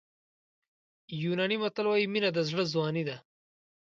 یوناني متل وایي مینه د زړه ځواني ده.